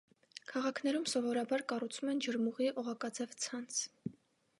Քաղաքներում սովորաբար կառուցում են ջրմուղի օղակաձև ցանց։